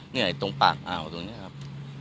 ตรงปากอ่าวตรงนี้ครับ